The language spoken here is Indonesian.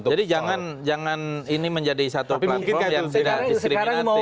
jadi jangan ini menjadi satu platform yang tidak diskriminasi